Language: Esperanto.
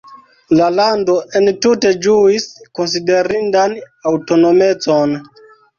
La lando entute ĝuis konsiderindan aŭtonomecon.